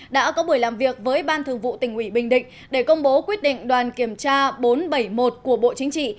đã có buổi làm việc với ban thường vụ tỉnh ủy bình định để công bố quyết định đoàn kiểm tra bốn trăm bảy mươi một của bộ chính trị